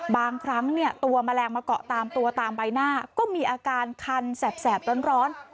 บางครั้งเนี่ยตัวแมลงมาเกาะตามตัวตามใบหน้าก็มีอาการคันแสบร้อน